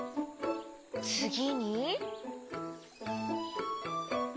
つぎに？